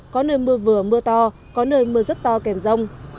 có nơi mưa vừa mưa to có nơi mưa rất to kèm rông